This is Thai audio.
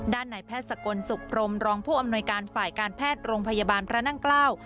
ในแพทย์สกลสุขพรมรองผู้อำนวยการฝ่ายการแพทย์โรงพยาบาลพระนั่งเกล้า